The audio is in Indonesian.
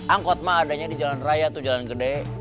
angkot mah adanya di jalan raya itu jalan gede